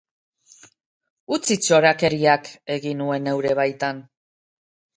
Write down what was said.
Utzi txorakeriak!, egin nuen neure baitan.